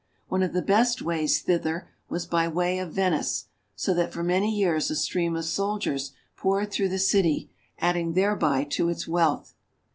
One of the best ways thither was by way of Venice, so that for many years a stream of soldiers poured through the city, adding thereby to its wealth.